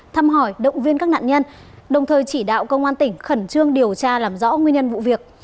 thăm hỏi động viên các nạn nhân đồng thời chỉ đạo công an tỉnh khẩn trương điều tra làm rõ nguyên nhân vụ việc